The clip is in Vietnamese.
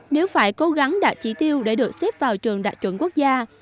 nếu phải cố gắng đạt chỉ tiêu để được xếp vào trường đạt chuẩn quốc gia